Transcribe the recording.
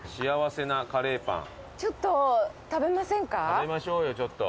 食べましょうよちょっと。